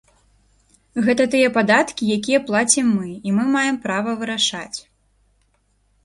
Гэта тыя падаткі, якія плацім мы і мы маем права вырашаць.